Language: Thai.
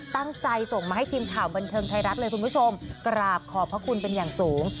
ตั้งใจส่งมาให้ทีมข่าวบันเทิงไทยรัฐเลยคุณผู้ชมกราบขอบพระคุณเป็นอย่างสูง